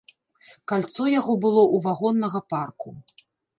Кальцо яго было ў вагоннага парку.